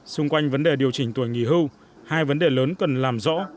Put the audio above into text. xung quanh vấn đề điều chỉnh tuổi nghỉ hưu hai vấn đề lớn cần làm rõ